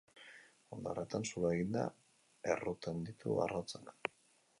Hondarretan zuloa eginda erruten ditu arrautzak.